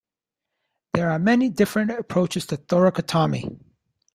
There are many different approaches to thoracotomy.